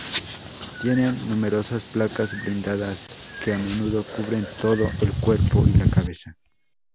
Tienen numerosas placas blindadas que a menudo cubren todo el cuerpo y la cabeza.